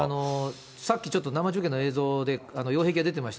さっきちょっと生中継の映像で擁壁が出てました。